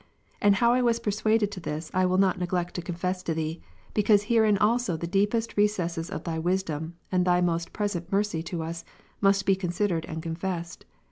And how I was persuaded to this, I will not neglect to confess to Thee : because herein also the deepest recesses of Thy wisdom, and Thy most present mercy to us, must be considered and confessed.